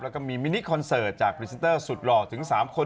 แล้วก็มีมินิคอนเสิร์ตจากพรีเซนเตอร์สุดหล่อถึง๓คน